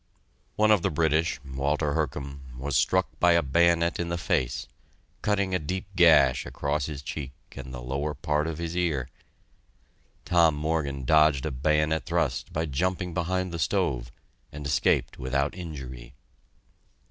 One of the British, Walter Hurcum, was struck by a bayonet in the face, cutting a deep gash across his cheek and the lower part of his ear. Tom Morgan dodged a bayonet thrust by jumping behind the stove, and escaped without injury.